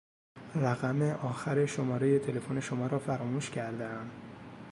رقم آخر شمارهی تلفن شما را فراموش کردهام.